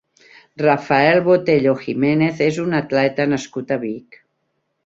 Rafael Botello Jimenez és un atleta nascut a Vic.